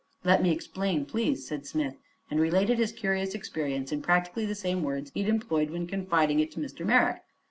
"Let me explain, please," said Smith, and related his curious experience in practically the same words he had employed when confiding it to Mr. Merrick.